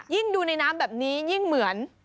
ยิ่งดูในน้ำแบบนี้ยิ่งเหมือน